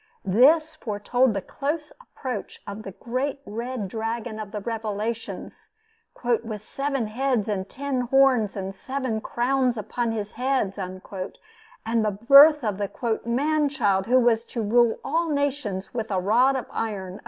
This foretold the close approach of the great red dragon of the Revelations, "with seven heads and ten horns, and seven crowns upon his heads," and the birth of the "man child who was to rule all nations with a rod of iron."